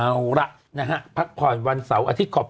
เอาละพักผ่อนวันเสาร์อาทิตย์